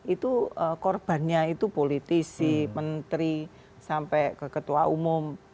itu korbannya itu politisi menteri sampai ke ketua umum